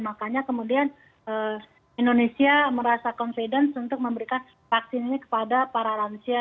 makanya kemudian indonesia merasa confidence untuk memberikan vaksin ini kepada para lansia